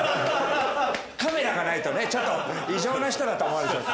カメラがないとねちょっと異常な人だと思われちゃう。